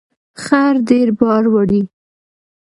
خر ډیر بار وړي